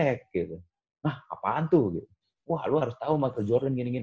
nah apaan tuh wah lu harus tau michael jordan gini gini